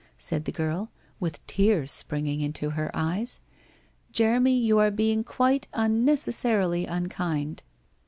' said the girl, with tears springing into her eyes. ' Jeremy, you are being quite unnecessarily unkind